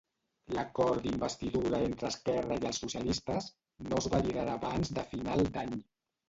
L'acord d'investidura entre Esquerra i els socialistes no es validarà abans de final d'any.